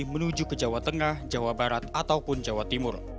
menuju ke jawa tengah jawa barat ataupun jawa timur